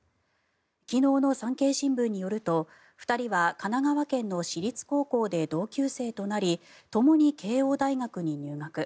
昨日の産経新聞によると２人は神奈川県の私立高校で同級生となりともに慶応大学に入学。